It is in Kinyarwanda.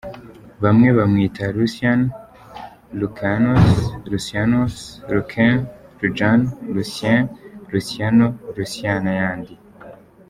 Bamwe bamwita Lucian, Loukianos , Lucianus, Luken , Lucijan , Lucien , Luciano, Lucia n’ayandi.